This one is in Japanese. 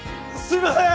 すいません！